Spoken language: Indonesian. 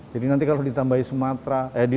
jadi nanti kalau ditambahi sulawesi